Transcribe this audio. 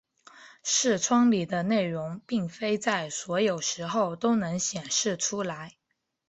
视窗里的内容并非在所有时候都能显示出来。